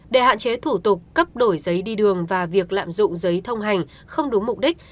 để hạn chế thủ tục cấp đổi giấy đi đường và việc lạm dụng giấy thông hành không đúng mục đích